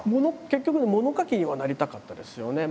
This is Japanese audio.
結局物書きにはなりたかったですよね。